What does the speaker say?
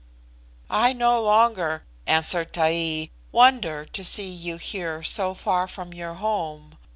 "I no longer," answered Taee, "wonder to see you here so far from your home.